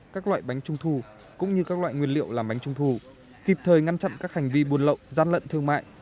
các loại bánh trung thu cũng như các loại nguyên liệu làm bánh trung thu kịp thời ngăn chặn các hành vi buồn lộn gián lận thương mại